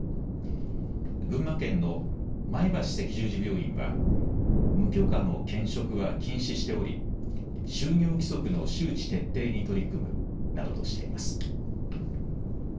群馬県の前橋赤十字病院は無許可の兼職は禁止しており就業規則の周知徹底に取り組むなどとしています。